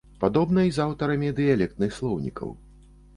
Падобна й з аўтарамі дыялектных слоўнікаў.